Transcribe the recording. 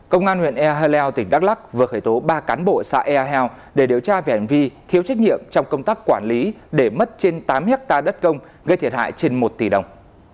công an huyện ea leo tỉnh đắk lắc vừa khởi tố ba cán bộ xã ea heo để điều tra về hành vi thiếu trách nhiệm trong công tác quản lý để mất trên tám hectare đất công gây thiệt hại trên một tỷ đồng